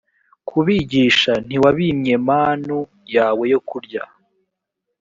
kubigisha ntiwabimye manu yawe yo kurya